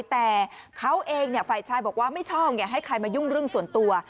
แต่เขาเองฝ่ายชายบอกว่าไม่ชอบอย่าให้ใครมายุ่งเรื่องส่วนตัว